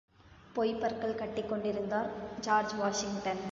பொய்ப் பற்கள் கட்டிக் கொண்டிருந்தார் ஜார்ஜ் வாஷிங்டன்.